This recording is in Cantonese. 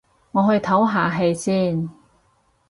我去唞下氣先